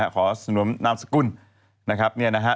ขอสนมนามสกุลนะครับเนี่ยนะฮะ